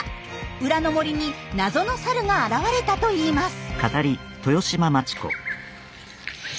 裏の森に謎のサルが現れたといいます。